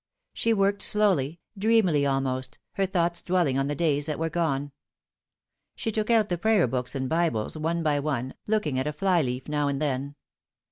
She worked slowly, dreamily almost, her thoughts dwell ing on the days that were gone. She took out the Prayer Books and Bibles one by one, look ing at a fly leaf now and then.